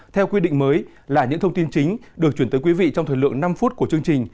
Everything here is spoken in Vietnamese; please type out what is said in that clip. theo quy định mới là những thông tin chính được chuyển tới quý vị trong thời lượng năm phút của chương trình